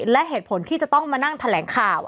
และเหตุผลที่จะต้องมานั่งแถลงข่าว